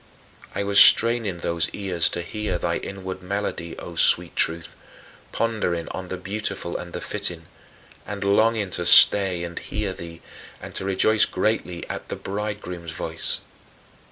I was straining those ears to hear thy inward melody, O sweet Truth, pondering on "the beautiful and the fitting" and longing to stay and hear thee, and to rejoice greatly at "the Bridegroom's voice."